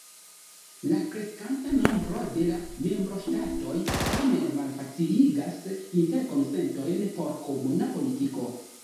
La kreskanta nombro de membroŝtatoj tamen malfaciligas interkonsentojn por komuna politiko.